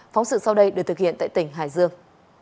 phóng sự sau đây được thực hiện tại tỉnh hải dương